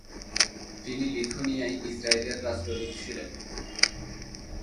তিনি লিথুয়ানিয়ায় ইসরায়েলের রাষ্ট্রদূত ছিলেন।